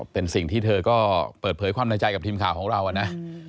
เป็นสิ่งที่เธอก็เปิดเผยความในใจกับทีมข่าวของเรานะ